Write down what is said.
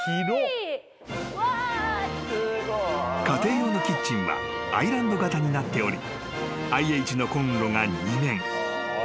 ［家庭用のキッチンはアイランド型になっておりＩＨのコンロが２面］